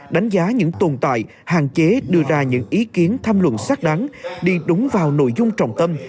đánh giá những tồn tại hạn chế đưa ra những ý kiến tham luận xác đáng đi đúng vào nội dung trọng tâm